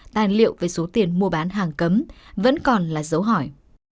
tài liệu về số tiền mua bán hàng cấm vẫn còn là dấu hỏi